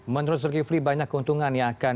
menurut zulkifli banyak keuntungan yang akan